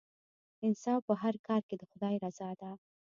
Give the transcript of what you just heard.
انصاف په هر کار کې د خدای رضا ده.